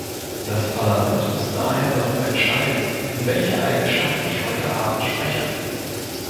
Das Parlament muss daher darüber entscheiden, in welcher Eigenschaft ich heute abend spreche.